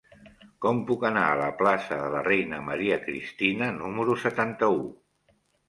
Com puc anar a la plaça de la Reina Maria Cristina número setanta-u?